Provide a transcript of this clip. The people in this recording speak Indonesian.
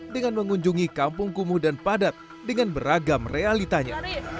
dengan mengunjungi kampung kumuh dan padat dengan beragam realitanya